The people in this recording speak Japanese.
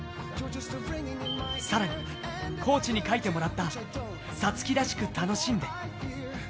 更に、コーチに書いてもらった「五月らしく楽しんで」。